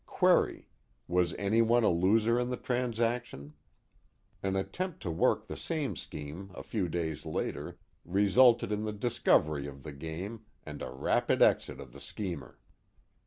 Query: Was anyone a loser in the transaction ? An attempt to work the same scheme a few days later, resulted in the discovery of the game, and a rapid exit of the schemer.